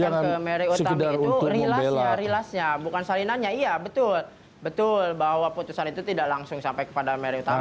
jadi yang disampaikan ke mary utami itu rilasnya rilasnya bukan salinannya iya betul betul bahwa putusan itu tidak langsung sampai kepada mary utami